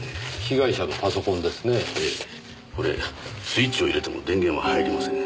これスイッチを入れても電源は入りません。